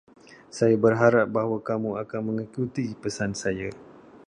Saya berharap bahawa kamu akan mengikuti pesan saya.